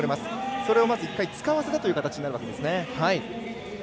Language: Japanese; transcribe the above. それを１回使わせたという形になるわけですね。